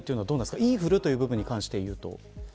インフルという部分に関して言うと。